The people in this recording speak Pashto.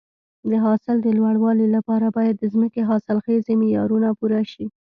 د حاصل د لوړوالي لپاره باید د ځمکې حاصلخیزي معیارونه پوره شي.